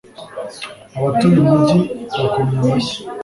abatuye umujyi bakomye amashyi